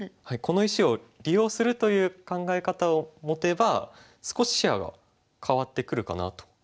はいこの石を利用するという考え方を持てば少し視野が変わってくるかなと。